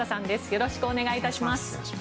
よろしくお願いします。